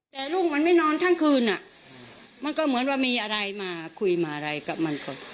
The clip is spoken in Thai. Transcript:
แต่ลูกมันไม่นอนทั้งคืนอ่ะมันก็เหมือนว่ามีอะไรมาคุยมาอะไรกับมันก่อน